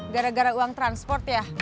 gara gara uang transport ya